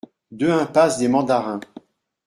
deux impasse des mandarins